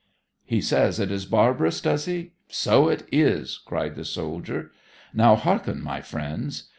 'He says it is barbarous, does he? So it is!' cried the soldier. 'Now hearken, my friends.'